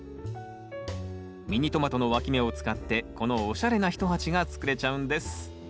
ミニトマトのわき芽を使ってこのおしゃれな一鉢が作れちゃうんです